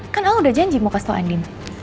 kan allah udah janji mau kasih tau andin